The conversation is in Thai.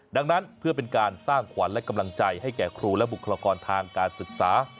ดังนั้นเพื่อเป็นการสร้างขวัญและกำลังใจให้แก่ครูและบุคลากรทางการศึกษา